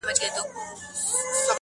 علم د ذهن غذا ده.